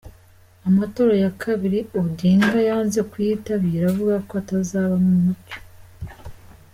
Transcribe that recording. Amatora ya kabiri Odinga yanze kuyitabira avuga ko atazaba mu mucyo.